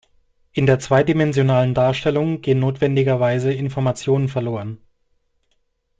In der zweidimensionalen Darstellung gehen notwendigerweise Informationen verloren.